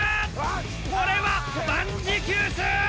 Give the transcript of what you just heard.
これは万事休す！